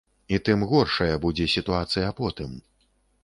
І тым горшая будзе сітуацыя потым.